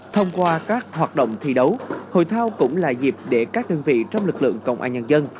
thông qua các hoạt động thi đấu hội thao cũng là dịp để các đơn vị trong lực lượng công an nhân dân